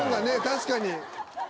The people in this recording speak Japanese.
確かに。